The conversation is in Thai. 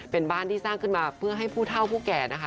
เป็นบ้านที่สร้างขึ้นมาเพื่อให้ผู้เท่าผู้แก่นะคะ